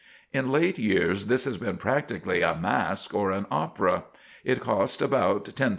In late years this has been practically a masque or an opera. It cost about $10,000.